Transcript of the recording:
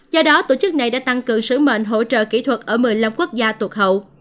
do đó tổ chức này đã tăng cường sứ mệnh hỗ trợ kỹ thuật ở một mươi năm quốc gia thuộc hậu